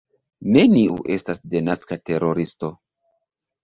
Neniu estas denaska teroristo.